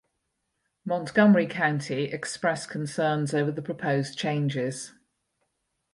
Montgomery County expressed concerns over the proposed changes.